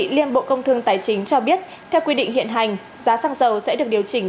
liên bộ công thương tài chính cho biết theo quy định hiện hành giá xăng dầu sẽ được điều chỉnh